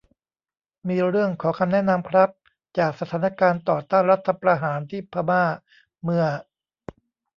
มีเรื่องขอคำแนะนำครับ จากสถานการณ์ต่อต้านรัฐประหารที่พม่า เมื่อ